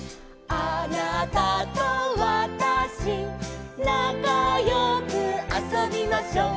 「あなたとわたし」「なかよくあそびましょう」